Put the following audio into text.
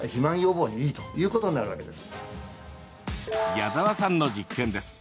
矢澤さんの実験です。